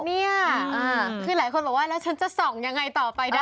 เนี่ยคือหลายคนบอกว่าแล้วฉันจะส่องยังไงต่อไปได้